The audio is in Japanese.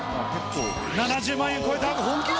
７０万円超えた。